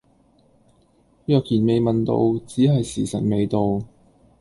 若然未問到，只係時晨未到